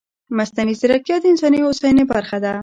مصنوعي ځیرکتیا د انساني هوساینې برخه ده.